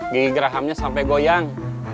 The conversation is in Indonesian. gigi gerahamnya sampai goyang